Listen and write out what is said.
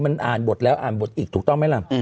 มันอ่านบทแล้วอ่านบทอีกถูกต้องไหมล่ะ